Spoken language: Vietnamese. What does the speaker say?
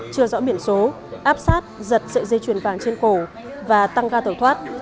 chưa rõ biển số áp sát giật sợi dây chuyền vàng trên cổ và tăng ga tẩu thoát